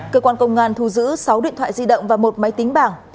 cơ quan công an thu giữ sáu điện thoại di động và một máy tính bảng